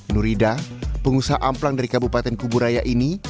nurida pengusaha amplang dari kabupaten kuburaya ini